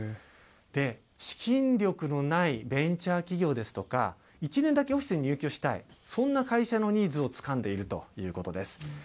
資金力のないベンチャー企業ですとか、１年だけオフィスに入居したい、そんな会社のニーズをつかんでいるということです。